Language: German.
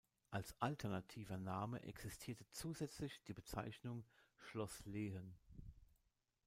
Als alternativer Name existierte zusätzlich die Bezeichnung "Schloss Lehen".